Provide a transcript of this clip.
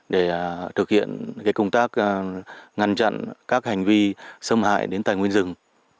để thực hiện công tác ngăn chặn các hành vi xâm hại đến tài nguyên rừng